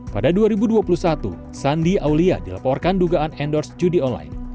pada dua ribu dua puluh satu sandi aulia dilaporkan dugaan endorse judi online